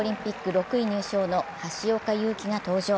６位入賞の橋岡優輝が登場。